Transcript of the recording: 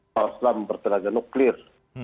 hal islam bertenaga nuklir